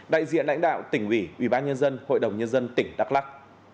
đại diện lãnh đạo tỉnh ủy ủy ban nhân dân hội đồng nhân dân tỉnh đắk lắc